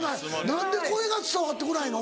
何でこれが伝わってこないの？